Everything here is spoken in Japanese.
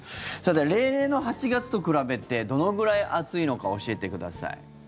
例年の８月と比べてどのぐらい暑いのか教えてください。